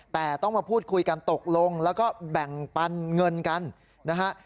แต่ต้องมาพูดคุยกันตกลงแล้วก็แบ่งปันเงินกันนะฮะ